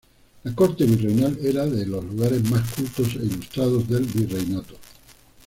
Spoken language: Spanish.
La corte virreinal era uno de los lugares más cultos e ilustrados del virreinato.